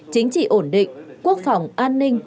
chính trị ổn định quốc phòng an ninh